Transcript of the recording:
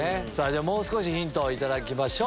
もう少しヒントを頂きましょう。